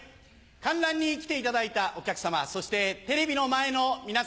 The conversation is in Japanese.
観覧に来ていただいたお客さまそしてテレビの前の皆さん。